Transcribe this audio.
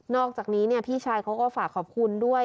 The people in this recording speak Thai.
อกจากนี้พี่ชายเขาก็ฝากขอบคุณด้วย